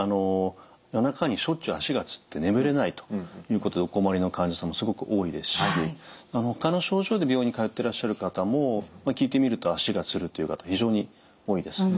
夜中にしょっちゅう足がつって眠れないということでお困りの患者さんもすごく多いですしほかの症状で病院に通ってらっしゃる方も聞いてみると足がつるっていう方非常に多いです。